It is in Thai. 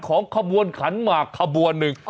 ขบวนขันหมากขบวนหนึ่ง